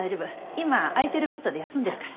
今空いてるベッドで休んでるから。